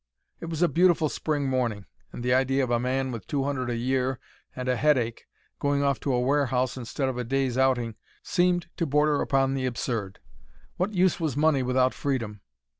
It was a beautiful spring morning, and the idea of a man with two hundred a year and a headache going off to a warehouse instead of a day's outing seemed to border upon the absurd. What use was money without freedom?